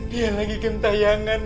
dia lagi kentah yangan